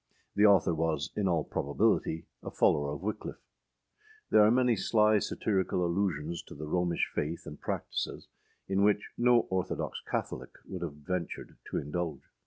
The author was in all probability a follower of Wickliffe. There are many sly satirical allusions to the Romish faith and practices, in which no orthodox Catholic would have ventured to indulge.